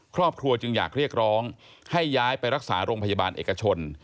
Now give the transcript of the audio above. ครอบครัวจึงอยากเรียกร้องให้ย้ายไปรักษาโรงพยาบาลเอกชน